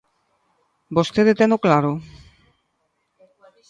¿Vostede teno claro?